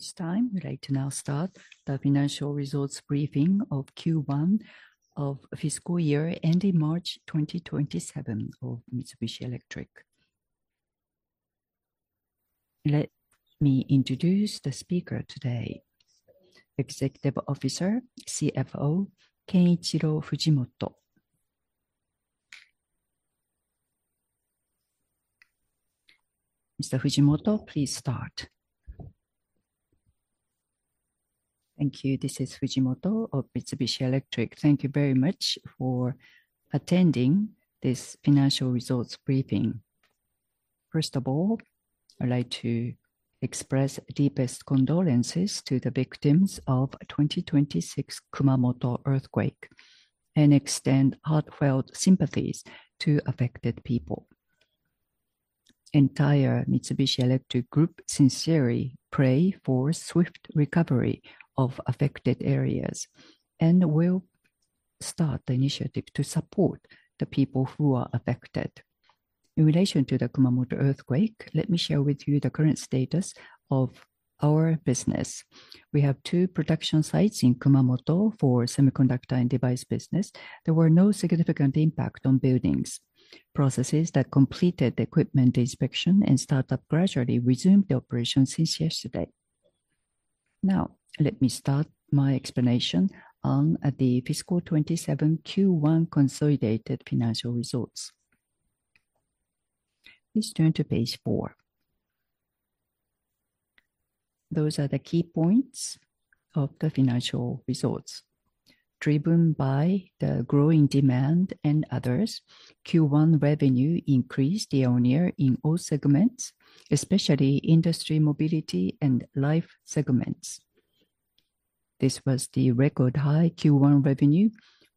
It's time. We'd like to now start the financial results briefing of Q1 of fiscal year ending March 2027 of Mitsubishi Electric. Let me introduce the speaker today, Executive Officer CFO, Kenichiro Fujimoto. Mr. Fujimoto, please start. Thank you. This is Fujimoto of Mitsubishi Electric. Thank you very much for attending this financial results briefing. First of all, I'd like to express deepest condolences to the victims of 2026 Kumamoto earthquake, and extend heartfelt sympathies to affected people. Entire Mitsubishi Electric group sincerely pray for swift recovery of affected areas, and will start the initiative to support the people who are affected. In relation to the Kumamoto earthquake, let me share with you the current status of our business. We have two production sites in Kumamoto for semiconductor and device business. There were no significant impact on buildings. Processes that completed the equipment inspection and startup gradually resumed the operation since yesterday. Now, let me start my explanation on the fiscal 2027 Q1 consolidated financial results. Please turn to page four. Those are the key points of the financial results. Driven by the growing demand and others, Q1 revenue increased year-on-year in all segments, especially industry mobility and life segments. This was the record high Q1 revenue,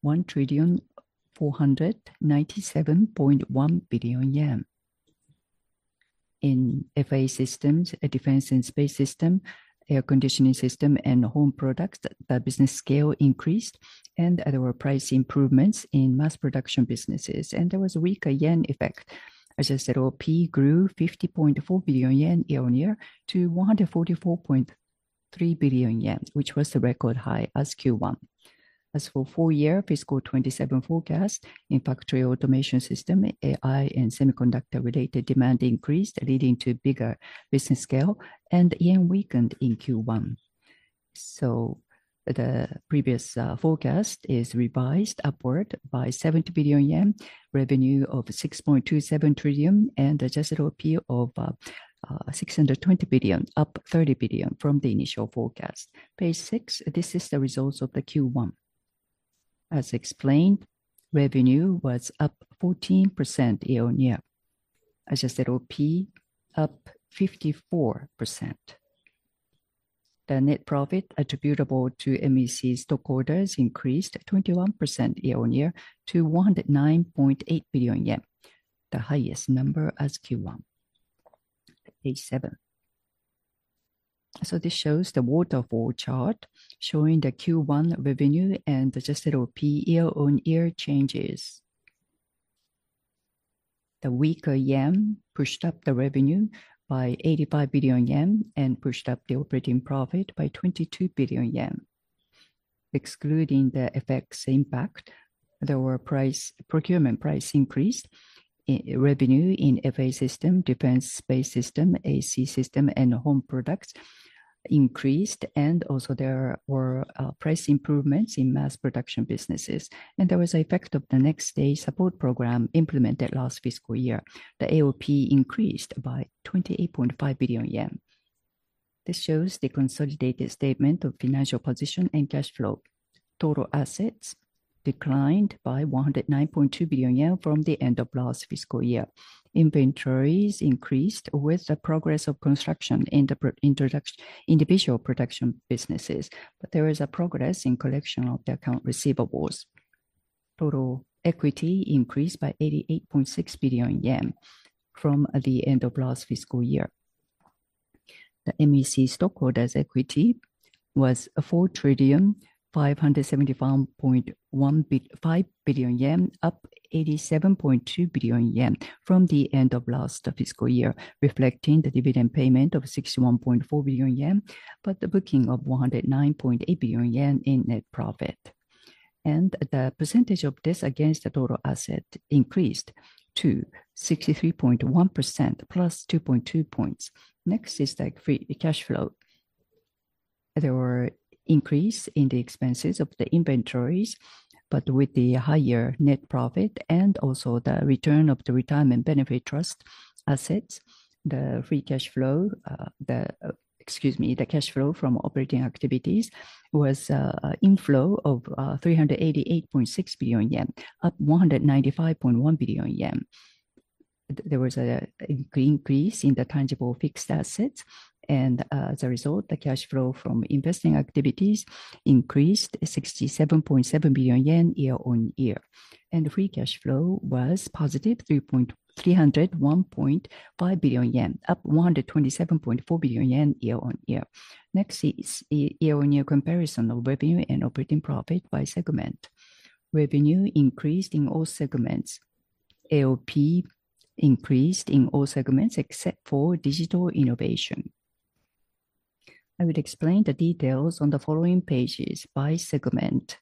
1,497.1 billion yen. In FA systems, defense and space system, air conditioning system and home products, the business scale increased, and there were price improvements in mass production businesses, and there was a weaker yen effect. Adjusted OP grew 50.4 billion yen year-on-year to 144.3 billion yen, which was the record high as Q1. As for full year fiscal 2027 forecast, in factory automation system, AI and semiconductor related demand increased, leading to bigger business scale and yen weakened in Q1. The previous forecast is revised upward by 70 billion yen, revenue of 6.27 trillion, and adjusted OP of 620 billion, up 30 billion from the initial forecast. Page six. This is the results of the Q1. As explained, revenue was up 14% year-on-year. Adjusted OP up 54%. The net profit attributable to MEC stockholders increased 21% year-on-year to 109.8 billion yen, the highest number as Q1. Page seven. This shows the waterfall chart showing the Q1 revenue and adjusted OP year-on-year changes. The weaker yen pushed up the revenue by 85 billion yen and pushed up the operating profit by 22 billion yen. Excluding the FX impact, there were price, procurement price increased, revenue in FA system, defense space system, AC system, and home products increased, and also there were price improvements in mass production businesses, and there was an effect of the next day support program implemented last fiscal year. The AOP increased by 28.5 billion yen. This shows the consolidated statement of financial position and cash flow. Total assets declined by 109.2 billion yen from the end of last fiscal year. Inventories increased with the progress of construction in the individual production businesses, there is a progress in collection of the account receivables. Total equity increased by 88.6 billion yen from the end of last fiscal year. The MEC stockholders' equity was 4,575.1 billion yen, up 87.2 billion yen from the end of last fiscal year, reflecting the dividend payment of 61.4 billion yen, the booking of 109.8 billion yen in net profit. The percentage of this against the total asset increased to 63.1% plus 2.2 points. Next is the free cash flow. There were increase in the expenses of the inventories, with the higher net profit and also the return of the retirement benefit trust assets, the cash flow from operating activities was an inflow of 388.6 billion yen, up 195.1 billion yen. There was an increase in the tangible fixed assets, as a result, the cash flow from investing activities increased 67.7 billion yen year-on-year. Free cash flow was positive 301.5 billion yen, up 127.4 billion yen year-on-year. Next is year-on-year comparison of revenue and operating profit by segment. Revenue increased in all segments. AOP increased in all segments except for Digital Innovation. I will explain the details on the following pages by segment.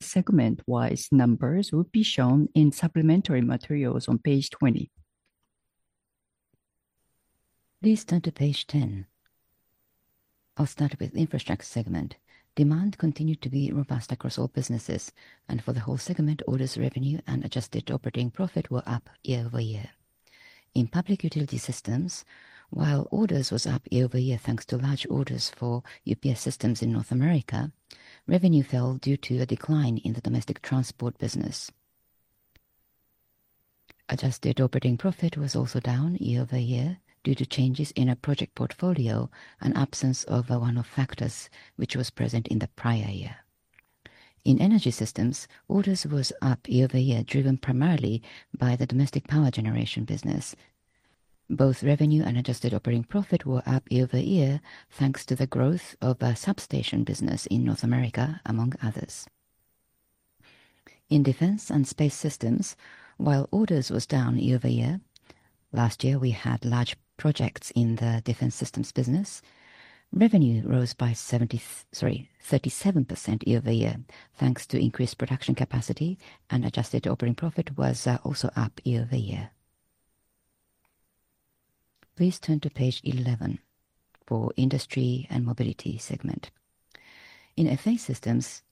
Segment-wise numbers will be shown in supplementary materials on page 20. Please turn to page 10. I will start with infrastructure segment. Demand continued to be robust across all businesses, for the whole segment, orders revenue and adjusted operating profit were up year-over-year. In public utility systems, while orders was up year-over-year, thanks to large orders for UPS systems in North America, revenue fell due to a decline in the domestic transport business. Adjusted operating profit was also down year-over-year due to changes in a project portfolio and absence of one-off factors which was present in the prior year. In energy systems, orders was up year-over-year, driven primarily by the domestic power generation business. Both revenue and adjusted operating profit were up year-over-year, thanks to the growth of a substation business in North America, among others. In defense and space systems, while orders was down year-over-year, last year, we had large projects in the defense systems business. Revenue rose by 37% year-over-year, thanks to increased production capacity, adjusted operating profit was also up year-over-year. Please turn to page 11 for industry and mobility segment. In FA systems,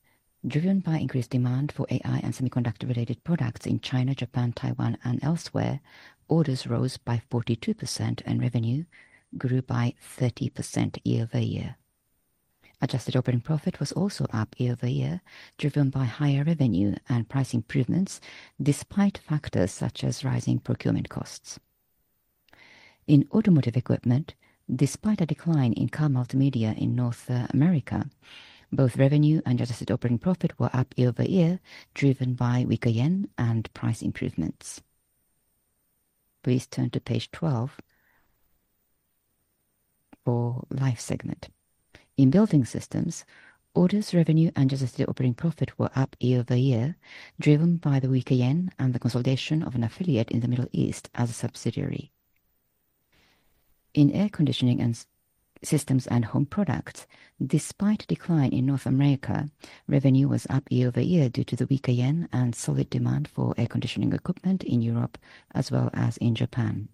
driven by increased demand for AI and semiconductor-related products in China, Japan, Taiwan, and elsewhere, orders rose by 42%, revenue grew by 30% year-on-year. Adjusted operating profit was also up year-on-year, driven by higher revenue and price improvements, despite factors such as rising procurement costs. In automotive equipment, despite a decline in car multimedia in North America, both revenue and adjusted operating profit were up year-over-year, driven by weaker JPY and price improvements. Please turn to page 12 for life segment. In building systems, orders revenue and adjusted operating profit were up year-over-year, driven by the weaker JPY and the consolidation of an affiliate in the Middle East as a subsidiary. In air conditioning systems and home products, despite a decline in North America, revenue was up year-over-year due to the weaker JPY and solid demand for air conditioning equipment in Europe as well as in Japan.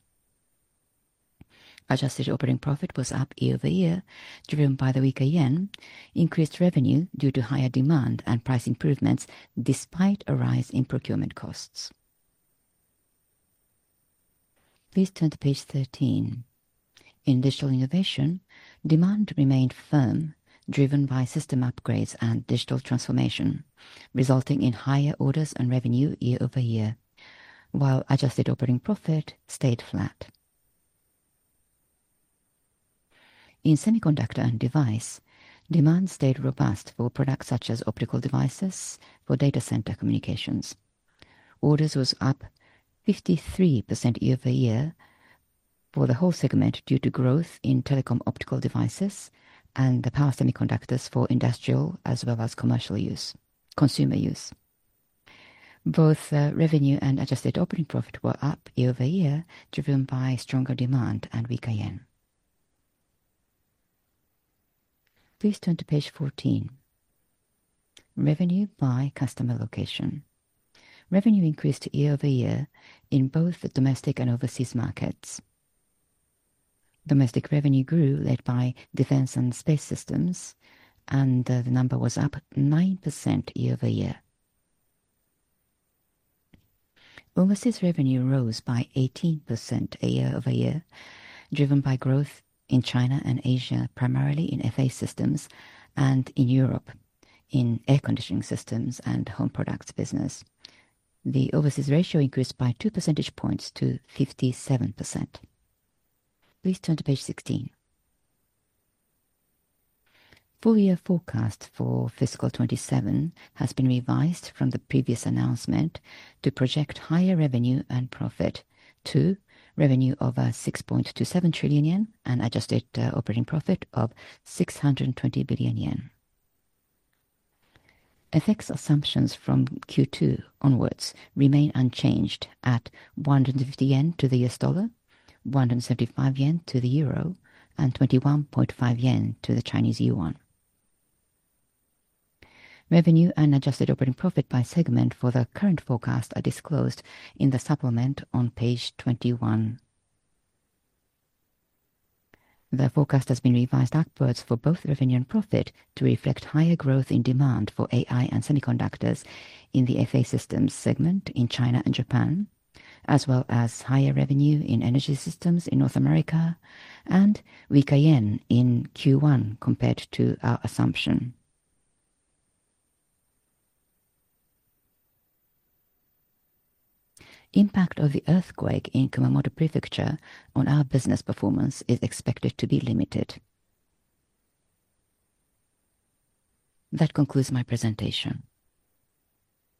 Adjusted operating profit was up year-over-year, driven by the weaker JPY, increased revenue due to higher demand, and price improvements despite a rise in procurement costs. Please turn to page 13. In Digital Innovation, demand remained firm, driven by system upgrades and digital transformation, resulting in higher orders and revenue year-over-year, while adjusted operating profit stayed flat. In semiconductor and device, demand stayed robust for products such as optical devices for data center communications. Orders was up 53% year-over-year for the whole segment due to growth in telecom optical devices and the power semiconductors for industrial as well as consumer use. Both revenue and adjusted operating profit were up year-over-year, driven by stronger demand and weaker JPY. Please turn to page 14. Revenue by customer location. Revenue increased year-over-year in both the domestic and overseas markets. Domestic revenue grew led by defense and space systems, and the number was up 9% year-over-year. Overseas revenue rose by 18% year-over-year, driven by growth in China and Asia, primarily in FA systems, and in Europe, in air conditioning systems and home products business. The overseas ratio increased by two percentage points to 57%. Please turn to page 16. Full year forecast for fiscal 2027 has been revised from the previous announcement to project higher revenue and profit to revenue over 6.27 trillion yen and adjusted operating profit of 620 billion yen. FX assumptions from Q2 onwards remain unchanged at 150 yen to the U.S. dollar, 175 yen to the euro, and 21.5 yen to the Chinese yuan. Revenue and adjusted operating profit by segment for the current forecast are disclosed in the supplement on page 21. The forecast has been revised upwards for both revenue and profit to reflect higher growth in demand for AI and semiconductors in the FA systems segment in China and Japan, as well as higher revenue in energy systems in North America and weaker JPY in Q1 compared to our assumption. Impact of the earthquake in Kumamoto Prefecture on our business performance is expected to be limited. That concludes my presentation.